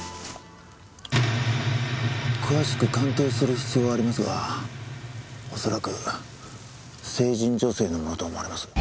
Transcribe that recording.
詳しく鑑定する必要はありますが恐らく成人女性のものと思われます。